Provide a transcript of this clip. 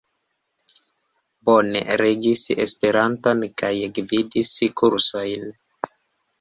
Bone regis Esperanton kaj gvidis kursojn.